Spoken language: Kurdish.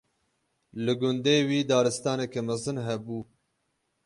Li gundê wî daristaneke mezin hebû.